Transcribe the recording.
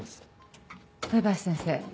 上林先生